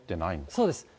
そうです。